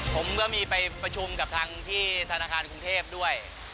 ผมก็ไปประชุมกับทางที่ธนาคารกรงเทพด้วย